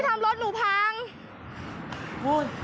จับคนนั้นให้เลย